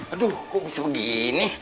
aduh kok bisa begini